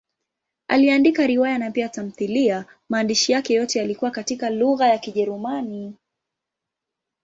Aliandika riwaya na pia tamthiliya; maandishi yake yote yalikuwa katika lugha ya Kijerumani.